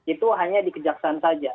itu hanya dikejaksaan saja